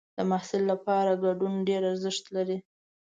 د محصل لپاره ګډون ډېر ارزښت لري.